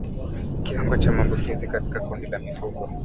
Kiwango cha maambukizi katika kundi la mifugo